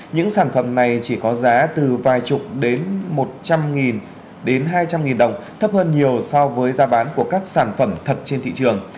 những sản phẩm này chỉ có giá từ vài chục đến hai trăm linh đồng thấp hơn nhiều so với giá bán của các sản phẩm thật trên thị trường